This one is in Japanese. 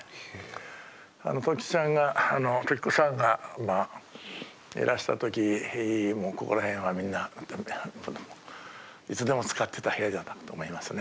時ちゃんが時子さんがいらした時もここら辺はみんないつでも使ってた部屋だと思いますね。